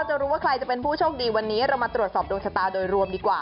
จะรู้ว่าใครจะเป็นผู้โชคดีวันนี้เรามาตรวจสอบดวงชะตาโดยรวมดีกว่า